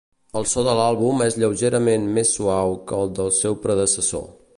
El so de l'àlbum és lleugerament més suau que el del seu predecessor.